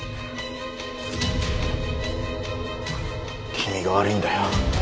君が悪いんだよ。